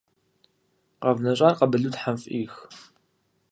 КъэвнэщӀар къабылу тхьэм фӀих.